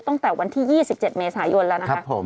ตั้งแต่วันที่๒๗เมษายนแล้วนะคะ